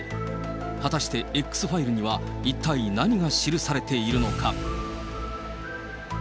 果たしてＸファイルには、一体何が記されているのか。